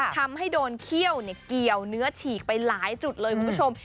ทำให้โดนเขี้ยวเกี่ยวเนื้อฉีกไปหลายจุดเลยคุณผู้ชม